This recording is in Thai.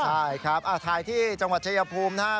ใช่ครับถ่ายที่จังหวัดชายภูมินะครับ